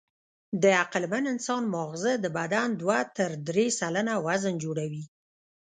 د عقلمن انسان ماغزه د بدن دوه تر درې سلنه وزن جوړوي.